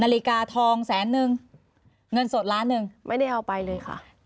นาฬิกาทองแสนนึงเงินสดล้านหนึ่งไม่ได้เอาไปเลยค่ะ